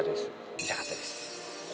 見たかったです。